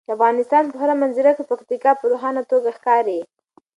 د افغانستان په هره منظره کې پکتیکا په روښانه توګه ښکاري.